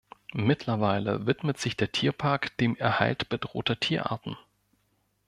Mittlerweile widmet sich der Tierpark dem Erhalt bedrohter Tierarten.